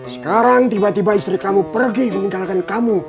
sekarang tiba tiba istri kamu pergi meninggalkan kamu